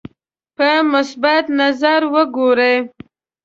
په مثبت نظر وګوري.